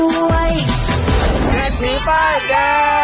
สวัสดีค่า